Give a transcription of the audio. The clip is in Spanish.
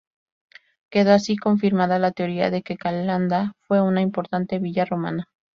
Quedó así confirmada la teoría de que Calanda fue una importante villa romana.